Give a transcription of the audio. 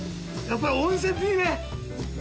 やっぱり温泉っていいね。